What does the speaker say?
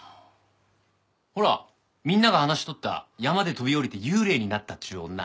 ほらみんなが話しとった山で飛び降りて幽霊になったっちゅう女。